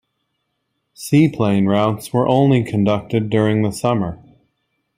Seaplane routes were only conducted during the summer.